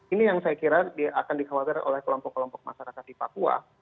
ini yang saya kira akan dikhawatir oleh kelompok kelompok masyarakat di papua